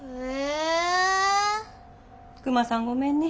クマさんごめんね。